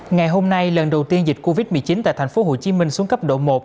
ngày hôm nay lần đầu tiên dịch covid một mươi chín tại thành phố hồ chí minh xuống cấp độ một